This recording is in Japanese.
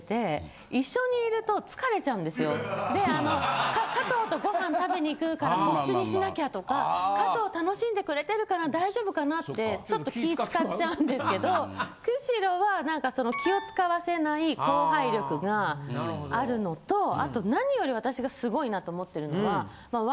であの加藤とご飯食べに行くから個室にしなきゃとか加藤楽しんでくれてるかな大丈夫かなってちょっと気ぃ使っちゃうんですけど久代はなんか気を使わせない後輩力があるのとあと何より私がすごいなと思ってるのは。